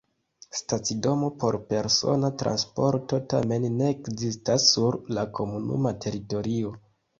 Stacidomo por persona transporto tamen ne ekzistas sur la komunuma teritorio.